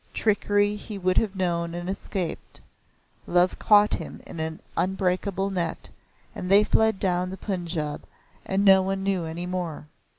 Trickery he would have known and escaped. Love caught him in an unbreakable net, and they fled down the Punjab and no one knew any more.